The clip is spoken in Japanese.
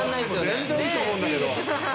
全然いいと思うんだけど。